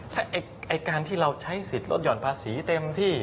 ถ้าการที่เราใช้สิทธิ์ลดหย่อนภาษีเต็มที่